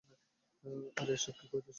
আরে কীসব কইতাছোস?